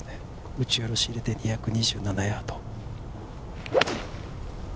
打ち下ろしで２２７ヤード。